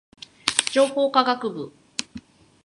情報科学部